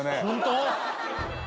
本当？